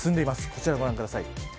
こちらをご覧ください。